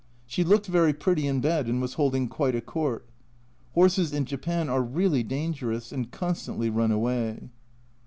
She looked very pretty in bed, and was holding quite a court. Horses in Japan are really dangerous and constantly run away.